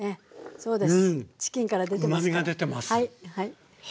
そうです。